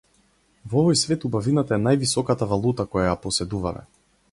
Во овој свет убавината е највисоката валута која ја поседуваме.